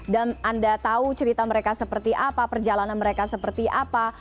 dan anda tahu cerita mereka seperti apa perjalanan mereka seperti apa